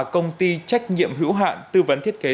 công ty trách nhiệm hữu hạn tư vấn thiết kế